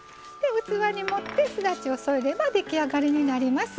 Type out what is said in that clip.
器に盛ってすだちを添えれば出来上がりになります。